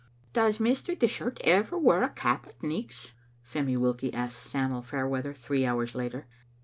"Does Mr. Dishart ever wear a cap at nichts?" Femie Wilkie asked Sam'l Fairweather three hours later.